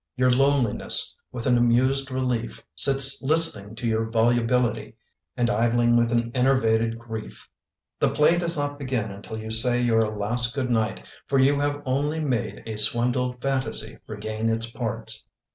Your loneliness, with an amused relief, Sits listening to your volubility And idling with an enervated grief. The play does not begin until you say Your last " good night," for you have only made A swindled fantasy regain its parts.